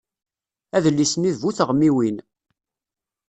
Adlis-nni d bu teɣmiwin.